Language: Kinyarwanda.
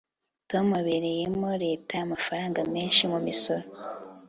tom abereyemo leta amafaranga menshi mumisoro